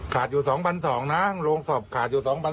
อ๋อขาดอยู่๒๒๐๐นะโรงศพขาดอยู่๒๒๐๐